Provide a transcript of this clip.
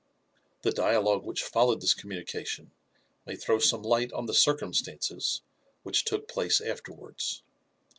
The dialogue which followed this com * munication may throw some light on the circumstances which tdrit place afterwards.